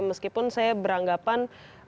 meskipun saya beranggapan